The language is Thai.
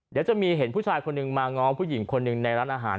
เดี๋ยวจะมีเห็นผู้ชายคนหนึ่งมาง้อผู้หญิงคนหนึ่งในร้านอาหาร